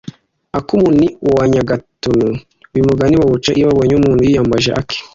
akumuntu ni uwa nyagatuntu. uyu mugani bawuca iyo babonye umuntu yiyambaje ake;